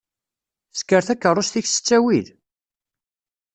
Sker takaṛust-ik s ttawil?